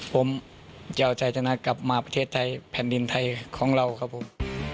ผมจะเอาชัยชนะกลับมาประเทศไทยแผ่นดินไทยของเราครับผม